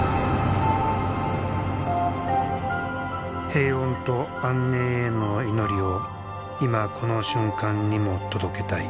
平穏と安寧への祈りを今この瞬間にも届けたい。